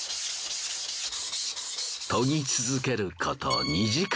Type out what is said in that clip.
研ぎ続けること２時間。